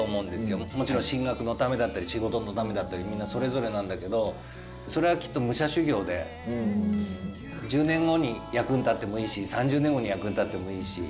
もちろん進学のためだったり仕事のためだったりみんなそれぞれなんだけどそれはきっと武者修行で１０年後に役に立ってもいいし３０年後に役に立ってもいいし。